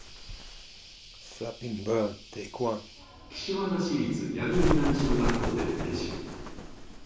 岸和田市立八木南小学校での練習。